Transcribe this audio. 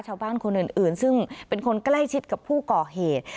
ชาวบ้านคนอื่นซึ่งเป็นคนใกล้ชิดกับผู้ก่อเหตุ